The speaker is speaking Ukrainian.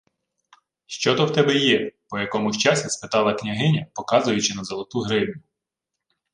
— Що то в тебе є? — по якомусь часі спитала княгиня, показуючи на золоту гривню.